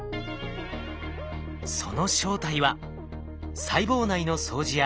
その正体は細胞内の掃除屋